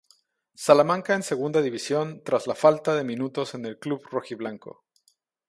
Salamanca en Segunda División, tras la falta de minutos en el club rojiblanco.